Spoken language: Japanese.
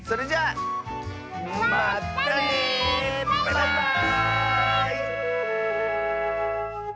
バイバーイ！